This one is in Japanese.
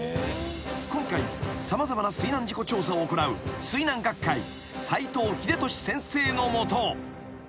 ［今回様々な水難事故調査を行う水難学会斎藤秀俊先生の下］